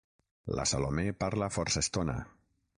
La Salomé parla força estona.